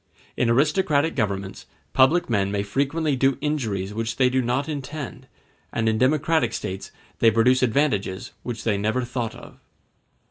In aristocratic governments public men may frequently do injuries which they do not intend, and in democratic states they produce advantages which they never thought of.